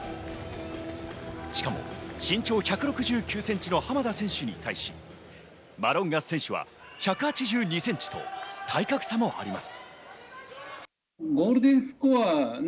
しかも身長１６９ｃｍの浜田選手に対し、マロンガ選手は１８２ｃｍと体格差もあります。